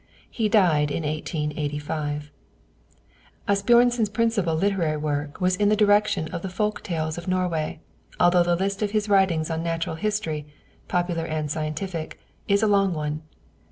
He died in 1885. Asbjörnsen's principal literary work was in the direction of the folk tales of Norway, although the list of his writings on natural history, popular and scientific, is a long one.